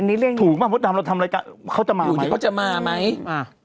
เห็นนี้เรื่องถูกปะมดดำเราทำอะไรกันเขาจะมาไหมเขาจะมาไหมอ่า